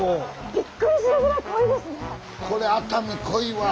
ビックリするぐらい濃いですね。